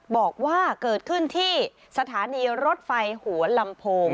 บอกว่าเกิดขึ้นที่สถานีรถไฟหัวลำโพง